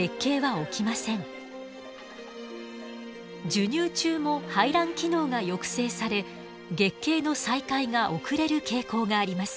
授乳中も排卵機能が抑制され月経の再開が遅れる傾向があります。